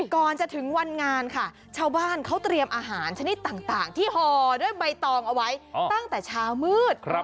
ก่อนจะถึงวันงานค่ะชาวบ้านเขาเตรียมอาหารชนิดต่างที่ห่อด้วยใบตองเอาไว้ตั้งแต่เช้ามืด